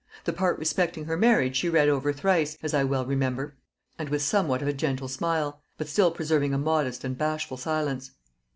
The part respecting her marriage she read over thrice, as I well remember, and with somewhat of a gentle smile; but still preserving a modest and bashful silence.